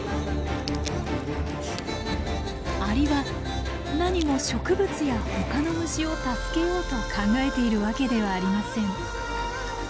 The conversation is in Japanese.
アリはなにも植物やほかの虫を助けようと考えているわけではありません。